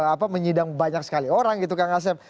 apa menyidang banyak sekali orang gitu kang asep